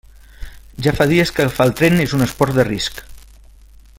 Ja fa dies que agafar el tren és un esport de risc.